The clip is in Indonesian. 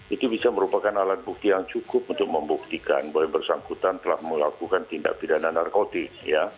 itu bisa merupakan alat bukti yang cukup untuk membuktikan bahwa yang bersangkutan telah melakukan tindak pidana narkotik